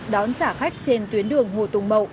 đón chào khách trên tuyến đường hồ tùng mậu